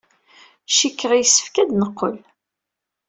Cikkeɣ yessefk ad neqqel.